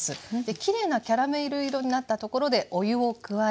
きれいなキャラメル色になったところでお湯を加えて。